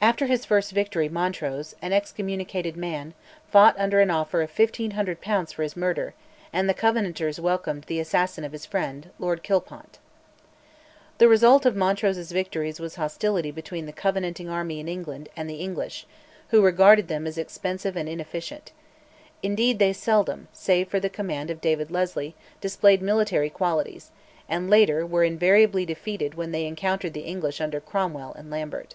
After his first victory Montrose, an excommunicated man, fought under an offer of 1500 pounds for his murder, and the Covenanters welcomed the assassin of his friend, Lord Kilpont. The result of Montrose's victories was hostility between the Covenanting army in England and the English, who regarded them as expensive and inefficient. Indeed, they seldom, save for the command of David Leslie, displayed military qualities, and later, were invariably defeated when they encountered the English under Cromwell and Lambert.